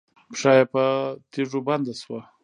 پښه یې په تيږو بنده شوه.